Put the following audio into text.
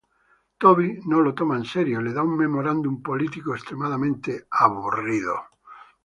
Toby no lo toma en serio: le da un memorándum político extremadamente aburrido.